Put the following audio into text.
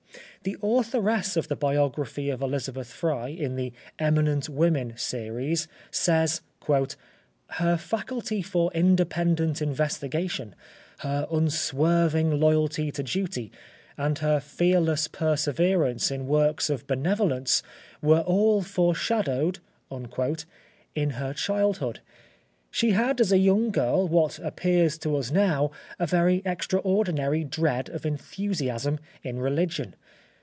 The authoress of the biography of Elizabeth Fry in the Eminent Women series, says: "Her faculty for independent investigation, her unswerving loyalty to duty, and her fearless perseverance in works of benevolence, were all foreshadowed" in her childhood. She had as a young girl what appears to us now a very extraordinary dread of enthusiasm in religion.